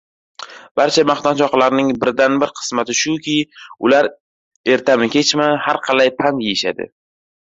Barcha maqtanchoqlarning birdan-bir qismati shuki, ular ertami-kechmi, harqalay pand yeyishadi.